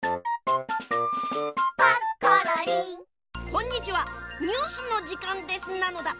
こんにちはニュースのじかんですなのだ。